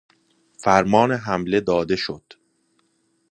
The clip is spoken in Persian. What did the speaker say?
فرمان حمله داده شد